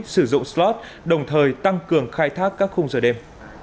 sử dụng slot đồng thời tăng cường khai thác các khung giờ đêm